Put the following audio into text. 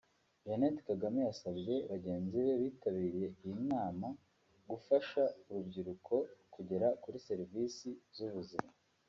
Jeannette Kagame yasabye bagenzi be bitabiriye iyi nama gufasha urubyiruko kugera kuri serivisi z’ubuzima